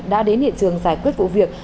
đã đến hiện trường giải quyết vụ việc